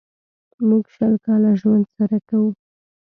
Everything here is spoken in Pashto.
موږ شل کاله ژوند سره کوو.